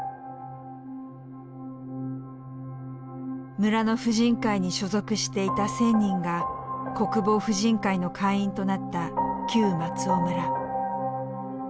村の婦人会に所属していた１，０００人が国防婦人会の会員となった旧松尾村。